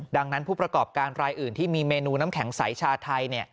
ดังนั้นผู้ประกอบการรายอื่นที่มีเมนูน้ำแข็งใสชาไทย